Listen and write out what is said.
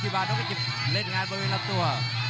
คีย์บาร์มายันต์นกกระจิบเล่นงานบริเวณรับตัว